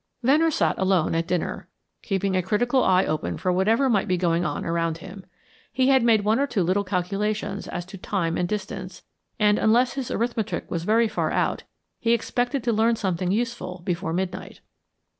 Venner sat alone at dinner, keeping a critical eye open for whatever might be going on around him. He had made one or two little calculations as to time and distance, and, unless his arithmetic was very far out, he expected to learn something useful before midnight.